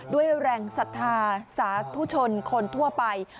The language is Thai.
ด้วยแรงศรัทธาสาธุชนคนทั่วไป